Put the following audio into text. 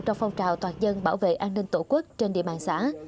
trong phong trào toàn dân bảo vệ an ninh tổ quốc trên địa bàn xã